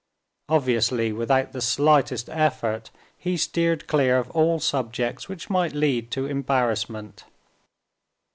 Obviously without the slightest effort he steered clear of all subjects which might lead to embarrassment.